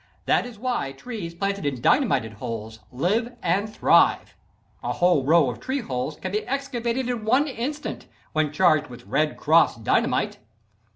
That is why trees planted in dynamited holes live and thrive. A whole row of tree holes can be excavated in one instant when charged with "Red Cross" Dynamite.